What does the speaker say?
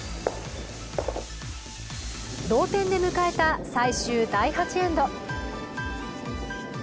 同点で迎えた最終第８エンド。